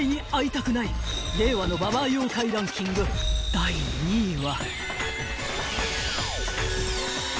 ［第２位は］